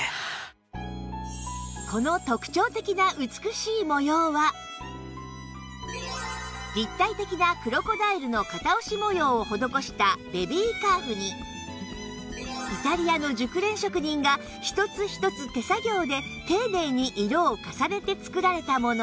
この立体的なクロコダイルの型押し模様を施したベビーカーフにイタリアの熟練職人が一つ一つ手作業で丁寧に色を重ねて作られたもの